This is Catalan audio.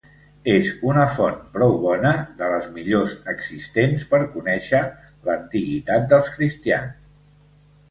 És una font prou bona, de les millors existents, per conèixer l'antiguitat dels cristians.